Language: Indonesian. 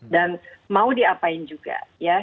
dan mau diapain juga ya